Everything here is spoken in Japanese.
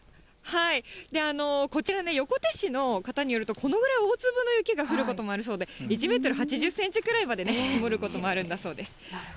こちら横手市の方によると、このぐらい大粒の雪が降ることもあるそうで、１メートル８０センチくらいまで積もることもあるんだそうです。